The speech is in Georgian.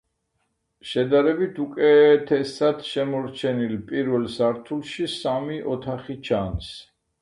შედარებით უკეთესად შემორჩენილ პირველ სართულში სამი ოთახი ჩანს.